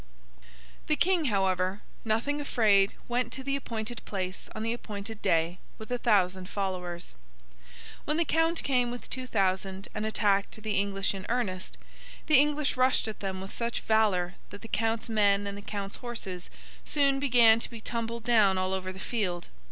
The King, however, nothing afraid, went to the appointed place on the appointed day with a thousand followers. When the Count came with two thousand and attacked the English in earnest, the English rushed at them with such valour that the Count's men and the Count's horses soon began to be tumbled down all over the field.